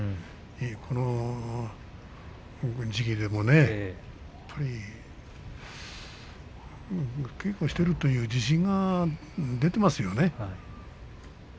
この時期でもね、やっぱり稽古をしているという自信が出ていますよね。